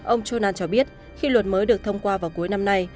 ông chuna cho biết khi luật mới được thông qua vào cuối năm nay